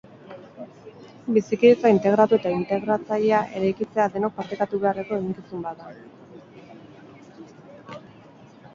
Bizikidetza integratu eta integratzailea eraikitzea denok partekatu beharreko eginkizun bat da.